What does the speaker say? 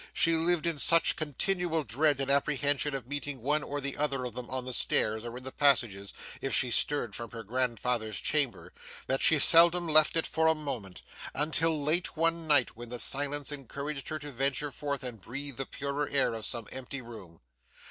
She lived in such continual dread and apprehension of meeting one or other of them on the stairs or in the passages if she stirred from her grandfather's chamber, that she seldom left it, for a moment, until late at night, when the silence encouraged her to venture forth and breathe the purer air of some empty room.